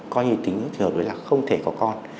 coi như tính tính hợp với là không thể có con